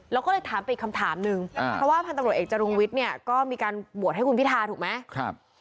เราควรถามปีคำถามหนึ่งหนูว่าก็เว้นตัวเอกจรุงวิทย์เนี่ยก็มีการโปรดให้ขุมพิธาล์เห็นมั้ยครับ